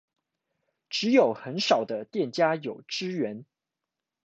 只有很少的店家有支援